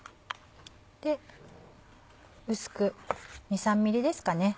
で薄く２３ｍｍですかね。